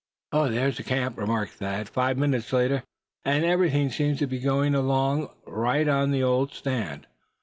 "There's the camp," remarked Thad, five minutes later, "and everything seems to be going along all right at the old stand.